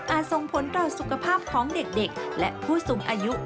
ส่งผลต่อสุขภาพของเด็กและผู้สูงอายุ